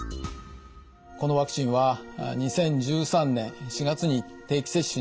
このワクチンは２０１３年４月に定期接種に指定されました。